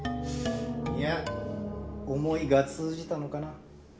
いや思いが通じたのかな。